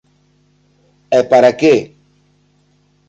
E para que?